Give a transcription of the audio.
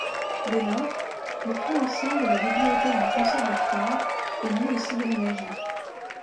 Dès lors le fonds ancien de la bibliothèque du Conservatoire est lui aussi déménagé.